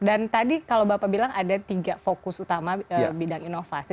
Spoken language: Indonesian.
dan tadi kalau bapak bilang ada tiga fokus utama bidang inovasi